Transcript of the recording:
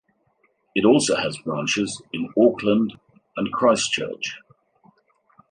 It also has branches in Auckland and Christchurch.